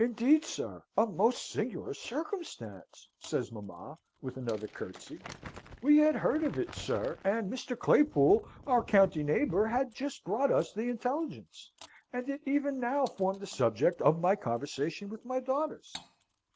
"Indeed, sir! a most singular circumstance," says mamma, with another curtsey. "We had heard of it, sir; and Mr. Claypool, our county neighbour, had just brought us the intelligence, and it even now formed the subject of my conversation with my daughters."